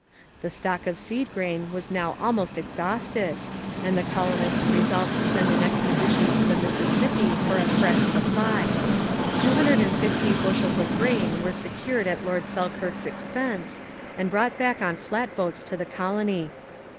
The stock of seed grain was now almost exhausted, and the colonists resolved to send an expedition to the Mississippi for a fresh supply. Two hundred and fifty bushels of grain were secured at Lord Selkirk's expense, and brought back on flatboats to the colony.